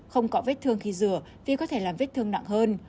không có vết thương khi rửa vì có thể làm vết thương nặng hơn